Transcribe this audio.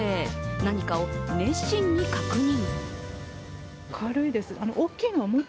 何かを熱心に確認。